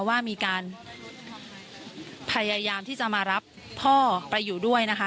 ว่ามีการพยายามที่จะมารับพ่อไปอยู่ด้วยนะคะ